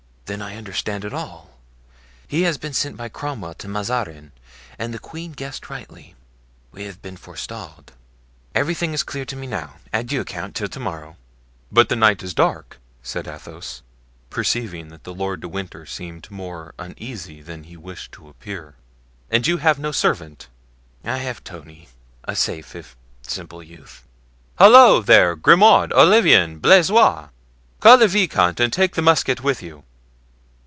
"Then I understand it all! he has been sent by Cromwell to Mazarin, and the queen guessed rightly; we have been forestalled. Everything is clear to me now. Adieu, count, till to morrow." "But the night is dark," said Athos, perceiving that Lord de Winter seemed more uneasy than he wished to appear; "and you have no servant." "I have Tony, a safe if simple youth." "Halloo, there, Grimaud, Olivain, and Blaisois! call the viscount and take the musket with you."